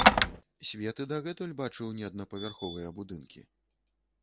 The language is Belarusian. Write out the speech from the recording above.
Свет і дагэтуль бачыў неаднапавярховыя будынкі.